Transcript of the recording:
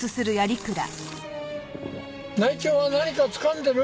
内調は何かつかんでる？